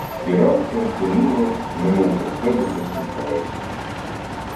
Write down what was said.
І раптом понуро, немов про себе посміхається.